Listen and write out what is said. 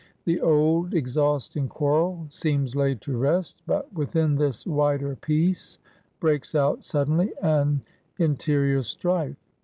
The old, exhausting quarrel seems laid to rest. But within this wider peace breaks out suddenly an interior strife.